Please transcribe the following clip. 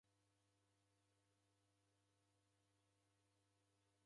Nashinika tiki